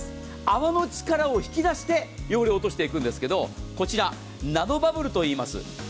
泡の力を引き出して汚れを落としていくんですがナノバブルといいます。